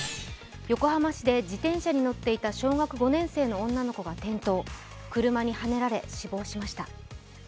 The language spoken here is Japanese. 横浜市で自転車に乗っていた小学５年生の女の子が転倒、車にはねられ、死亡しました。